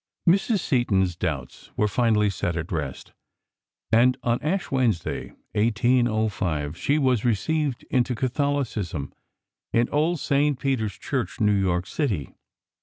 Mrs. Seton's doubts were finally set at rest, and on Ash Wednesday, 1805, she was received into Catholicism in old St. Peter's Church, New York city.